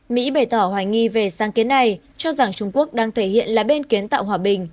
mỹ bày tỏ hoài nghi về sáng kiến này cho rằng trung quốc đang thể hiện là bên kiến tạo hòa bình